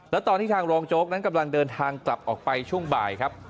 แล้วตอนที่ทางรองโจ๊กนั้นกำลังเดินทางกลับออกไปช่วงบ่ายครับ